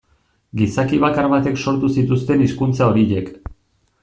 Gizaki bakar batek sortu zituzten hizkuntza horiek.